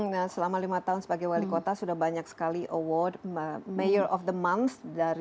nah selama lima tahun sebagai wali kota sudah banyak sekali award mayor of the month